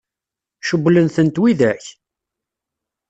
Cewwlen-tent widak?